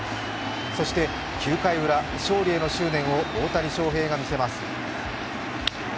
そして９回ウラ、勝利への執念を大谷翔平が見せます。